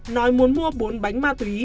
nói muốn mua bốn bánh ma túy